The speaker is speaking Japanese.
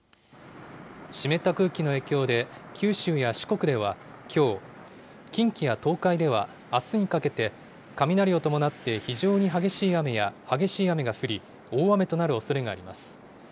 湿った空気の影響で、九州や四国ではきょう、近畿や東海ではあすにかけて、雷を伴って非常に激しい雨や、激しい雨が降り、大雨となるおそれがあります。